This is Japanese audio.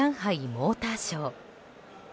モーターショー。